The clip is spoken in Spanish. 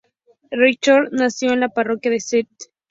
Richardson nació en la parroquia de St.